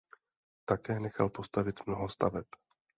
Také nechal postavit mnoho staveb.